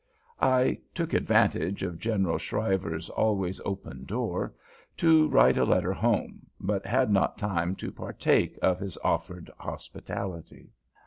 I took advantage of General Shriver's always open door to write a letter home, but had not time to partake of his offered hospitality.